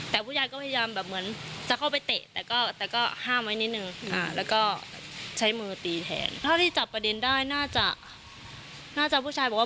ถ้าที่จับประเด็นได้น่าจะผู้ชายบอกว่า